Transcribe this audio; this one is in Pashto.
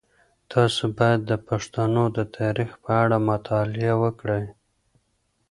تاسو باید د پښتنو د تاریخ په اړه مطالعه وکړئ.